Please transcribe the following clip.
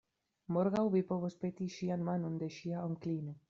Morgaŭ vi povos peti ŝian manon de ŝia onklino.